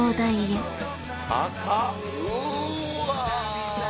うわ！